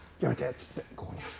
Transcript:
っつってここにある。